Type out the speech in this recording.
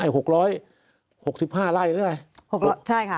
ไอ้๖๖๕ไร่รึเปล่า